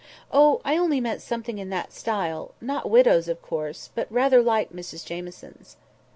"Oh! I only meant something in that style; not widows', of course, but rather like Mrs Jamieson's."